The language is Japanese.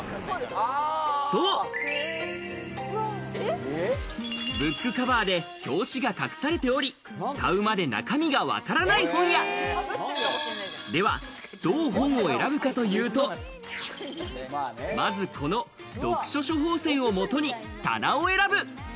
そう、ブックカバーで表紙が隠されており、買うまで中身がわからない本屋。では、どう本を選ぶのかというと、まず、この読書処方箋をもとに棚を選ぶ。